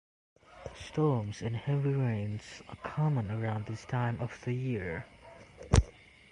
Storms and heavy rains are common around this time of the year.